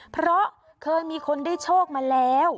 เพราะเคยมีคนได้โชคมาแล้ว